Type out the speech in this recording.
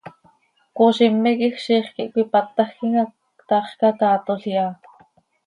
Cmozime quij ziix quih cöipátajquim hac, taax cacaatol iha.